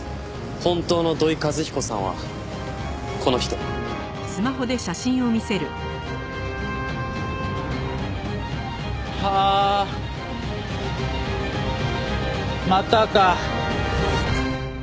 本当の土井和彦さんはこの人。はあまたか。